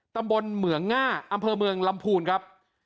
ตำบลเหงือง่าอำเภอเมืองลำภูนย์ครับ